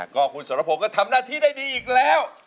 ก็คุณสรพงศ์ก็ทำหน้าที่ได้ดีอีกแล้ว